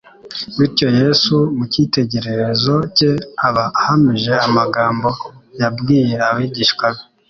Bityo Yesu, mu cyitegererezo cye aba ahamije amagambo yabwiye abigishwa be,